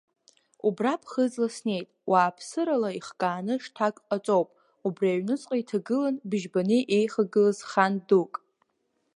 Убра ԥхыӡла снеит, уааԥсырала ихкааны шҭак ҟаҵоуп, убри аҩнуҵҟа иҭагылан быжьбаны еихагылаз хан дук.